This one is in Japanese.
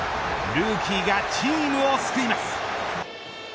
ルーキーがチームを救います。